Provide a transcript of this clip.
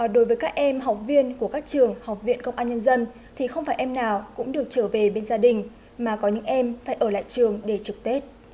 đối với các em học viên của các trường học viện công an nhân dân thì không phải em nào cũng được trở về bên gia đình mà có những em phải ở lại trường để trực tết